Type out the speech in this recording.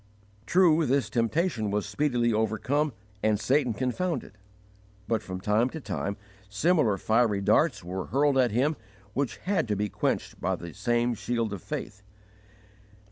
* True, this temptation was speedily overcome and Satan confounded; but from time to time similar fiery darts were hurled at him which had to be quenched by the same shield of faith.